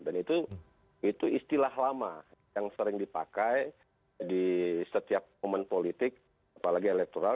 dan itu istilah lama yang sering dipakai di setiap momen politik apalagi elektoral